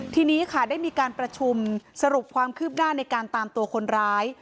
ทีนี้ค่ะได้มีการประชุมสรุปความคืบหน้าในการตามตัวคนร้าย